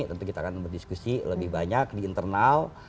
tentu kita akan berdiskusi lebih banyak di internal